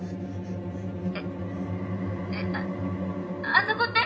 あそこって？